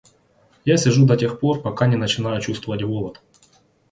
Я сижу до тех пор, пока не начинаю чувствовать голод.